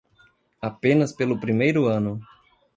Apenas pelo primeiro ano.